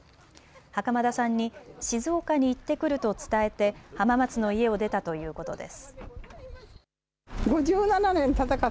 袴田さんに静岡に行ってくると伝えて浜松の家を出たということです。